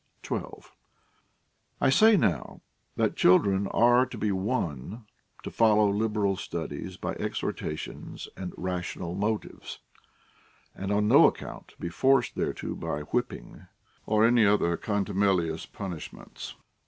12. I say now, that children are to be won to follow liberal studies by exhortations and rational motives, and on no account to be forced thereto by whipping or any other contumelious pimishments.